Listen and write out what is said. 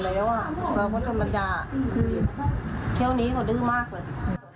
แล้วก็ธรรมดาเท่านี้เขาดื้อมากเลย